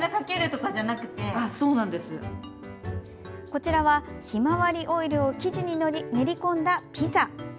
こちらはひまわりオイルを生地に練り込んだピザ。